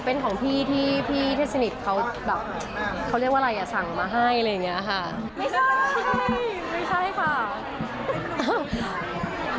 เป็นของพี่ที่สนิทเขาเรียกว่าอะไรสั่งมาให้อะไรอย่างนี้ค่ะ